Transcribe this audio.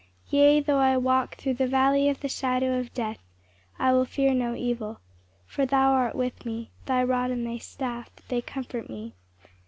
4┬ĀYea, though I walk through the valley of the shadow of death, I will fear no evil: for thou art with me; thy rod and thy staff they comfort me.